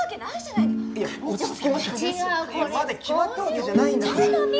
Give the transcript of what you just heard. いやまだ決まったわけじゃないんだから。